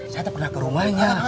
saya pernah ke rumahnya